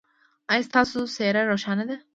ایا ستاسو څیره روښانه ده؟